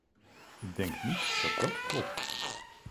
Ik denk niet dat dat klopt.